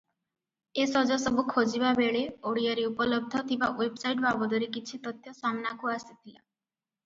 ଏ ସଜସବୁ ଖୋଜିବା ବେଳେ ଓଡ଼ିଆରେ ଉପଲବ୍ଧ ଥିବା ୱେବସାଇଟ ବାବଦରେ କିଛି ତଥ୍ୟ ସାମନାକୁ ଆସିଥିଲା ।